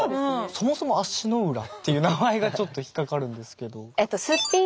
そもそも「足の裏」っていう名前がちょっと引っ掛かるんですけど。